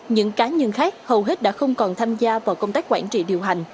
những cá nhân khác hầu hết đã không còn tham gia vào công tác quản trị điều hành